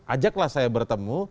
ajaklah saya bertemu